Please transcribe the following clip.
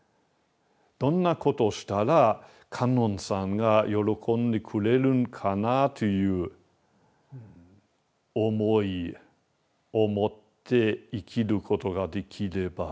どんなことをしたら観音さんが喜んでくれるかなという思いを持って生きることができれば。